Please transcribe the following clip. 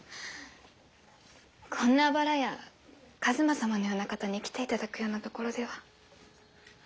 こんなあばら家一馬様のような方に来ていただくような所では。